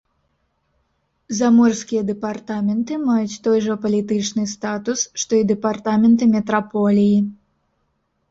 Заморскія дэпартаменты маюць той жа палітычны статус, што і дэпартаменты метраполіі.